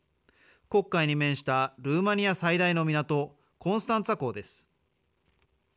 黒海に面したルーマニア最大の港コンスタンツァ港です。